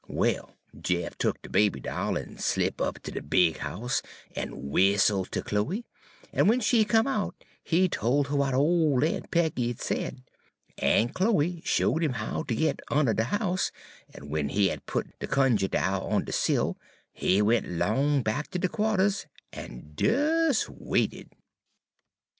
"Well, Jeff tuk de baby doll, en slip' up ter de big house, en whistle' ter Chloe, en w'en she come out he tol' 'er w'at ole Aun' Peggy had said. En Chloe showed 'im how ter git unner de house, en w'en he had put de cunjuh doll on de sill, he went 'long back ter de qua'ters en des waited.